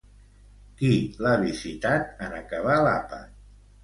Qui l'ha visitat en acabar l'àpat?